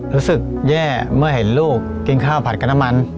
รู้สึกแย่เมื่อเห็นลูกกินข้าวผัดกับน้ำมัน